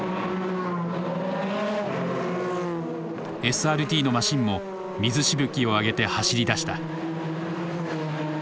ＳＲＴのマシンも水しぶきを上げて走りだした。